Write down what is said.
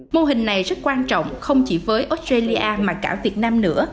mô hình này rất quan trọng không chỉ với australia mà cả việt nam nữa